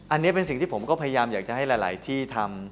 อันนี้เป็นสิ่งที่ผมก็พยายามอยากจะให้หลายที่ทำ